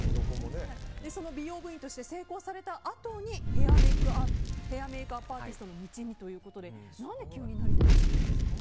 美容部員として成功されたあとにヘアメイクアップアーティストの道にということで何で急になりたいと思ったんですか？